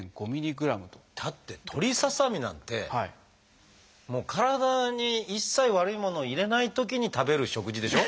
だって鳥ささみなんてもう体に一切悪いものを入れないときに食べる食事でしょ。